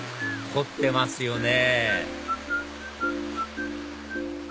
凝ってますよね